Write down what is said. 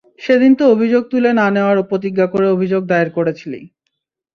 সেদিন তো অভিযোগ তুলে না নেওয়ার প্রতিজ্ঞা করে অভিযোগ দায়ের করেছিলি।